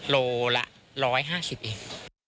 โลละ๑๕๐เอง